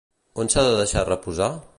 On s'ha de deixar reposar?